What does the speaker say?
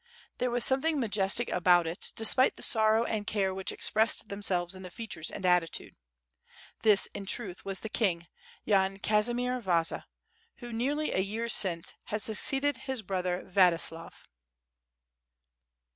There was something majestic about it, despite the sorrow and care which expressed themselves in the features and attitude. This in truth was the king, Yan Kazimier Vaza, who nearly a year since had succeeded his brother Vladislav.